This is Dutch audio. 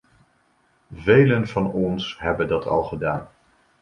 Velen van ons hebben dat al gedaan.